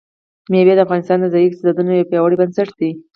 مېوې د افغانستان د ځایي اقتصادونو یو پیاوړی بنسټ دی.